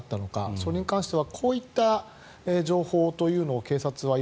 それに関してはこういった情報というのを警察は今